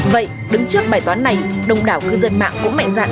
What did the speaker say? vậy đứng trước bài toán này đông đảo cư dân mạng cũng mạnh dạn